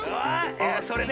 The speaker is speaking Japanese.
あそれね！